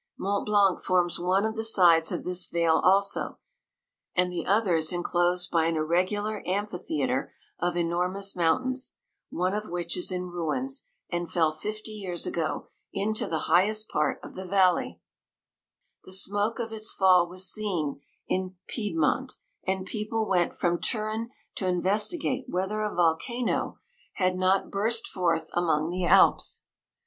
Mont Blanc forms one of the sides of this vale also, and the other is inclosed by an irregular am phitheatre of enormous mountains, one of which is in ruins, and fell fifty years ago into the higher part of the valley : the smoke of its fall was seen in Pied mont, and people went from Turin to investigate whether a volcano had not 170 burst forth among the Alps.